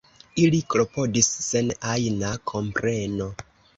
Ili klopodis sen ajna kompreno.